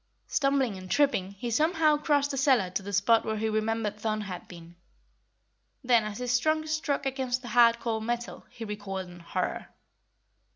Stumbling and tripping, he somehow crossed the cellar to the spot where he remembered Thun had been. Then, as his trunk struck against hard cold metal, he recoiled in horror.